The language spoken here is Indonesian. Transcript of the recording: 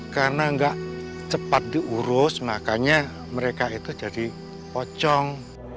karena nggak cepat diurus makanya mereka itu jadi pocong